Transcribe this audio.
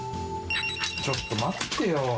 ちょっと待ってよ。